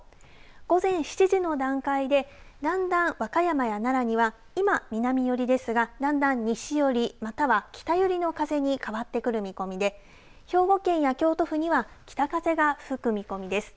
午前７時の段階でだんだん和歌山や奈良には今、南寄りですがだんだん西よりまたは北寄りの風に変わってくる見込みで兵庫県や京都府には北風が吹く見込みです。